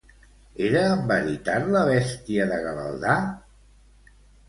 Era en veritat la bèstia de Gavaldà?